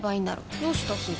どうしたすず？